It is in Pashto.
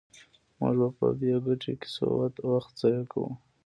موږ په بې ګټې کیسو وخت ضایع کوو.